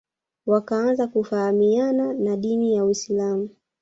wakaanza kufahamiana na dini ya Uislam